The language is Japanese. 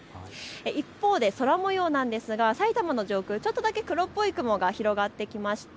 一方で空もようなんですが埼玉の上空、ちょっとだけ黒っぽい雲が広がってきました。